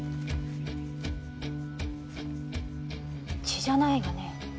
血じゃないわね。